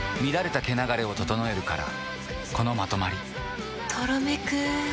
乱れた毛流れを整えるからこのまとまりとろめく。